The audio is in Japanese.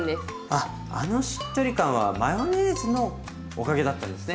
あっあのしっとり感はマヨネーズのおかげだったんですね。